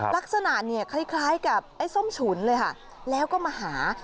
ลักษณะเนี่ยคล้ายกับไอ้ส้มฉุนเลยค่ะแล้วก็มาหา